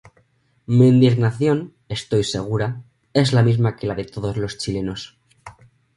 Mi indignación, estoy segura, es la misma que la de todos los chilenos"".